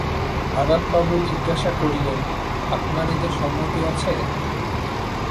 হারানবাবু জিজ্ঞাসা করিলেন, আপনার এতে সম্মতি আছে?